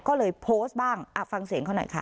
ก็เลยโพสต์บ้างฟังเสียงเขาหน่อยค่ะ